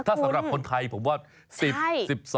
ถ้าสำหรับคนไทยผมว่า